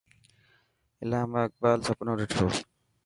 علامه اقبال سپنو ڏٺو.